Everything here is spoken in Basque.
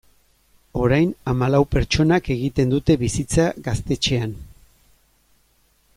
Orain hamalau pertsonak egiten dute bizitza gaztetxean.